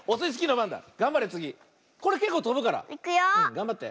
がんばって。